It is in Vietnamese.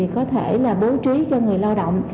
có thể bố trí cho người lao động